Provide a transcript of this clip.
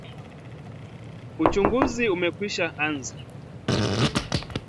Uchunguzi umekwisha anza